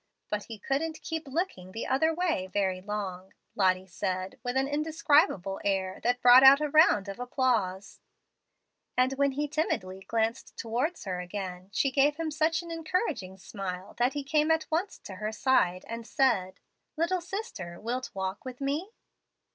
But he couldn't keep looking the other way very long," Lottie said, with an indescribable air that brought out a round of applause; "and when he timidly glanced towards her again she gave him such an encouraging smile that he came at once to her side and said, 'Little sister, wilt walk with me?'